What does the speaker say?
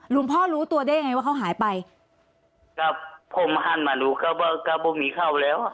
ลุงพ่อรู้ตัวได้ยังไงว่าเขาหายไปก็พ่อมห้านมาดูก็ว่าก็ไม่มีเข้าแล้ว